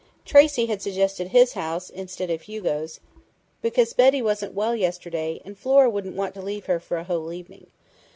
Tracey had suggested his house, instead of Hugo's, because Betty wasn't well yesterday and Flora wouldn't want to leave her for a whole evening.